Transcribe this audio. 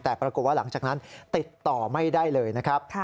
แต่ปรากฏว่าหลังจากนั้นติดต่อไม่ได้เลยนะครับ